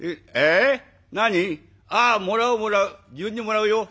え何？あっもらうもらう。